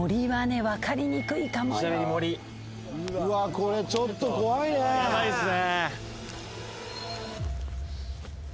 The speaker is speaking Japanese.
これ、ちょっと怖いね。